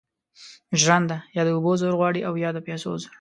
ژرنده یا د اوبو زور غواړي او یا د پیسو زور.